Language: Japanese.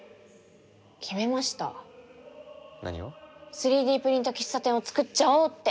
３Ｄプリント喫茶店をつくっちゃおうって！